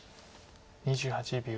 ２８秒。